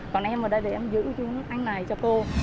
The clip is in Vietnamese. còn em ở đây để em giữ chung anh này cho cô